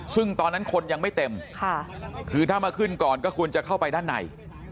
ซึ่งตอนนั้นคนยังไม่เต็มคือถ้ามาขึ้นก่อนก็ควรจะเข้าไปด้านใน